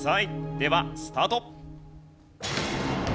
ではスタート！